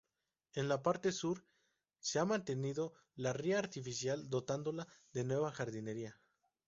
En la parte sur se ha mantenido la ría artificial, dotándola de nueva jardinería.